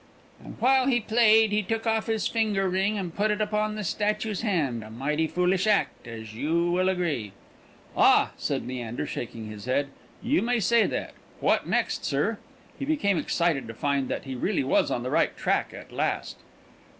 "And while he played he took off his finger ring and put it upon the statue's hand; a mighty foolish act, as you will agree." "Ah!" said Leander, shaking his head; "you may say that! What next, sir?" He became excited to find that he really was on the right track at last.